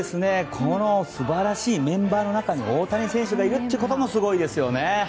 この素晴らしいメンバーの中に大谷選手がいるということもすごいですよね。